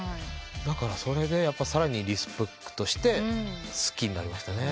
だからそれでさらにリスペクトして好きになりましたね。